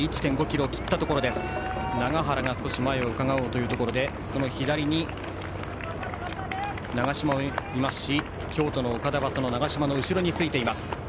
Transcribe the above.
永原が前をうかがおうというところにその左に、長嶋もいますし京都の岡田は長嶋の後ろについています。